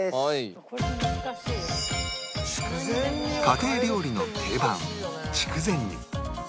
家庭料理の定番筑前煮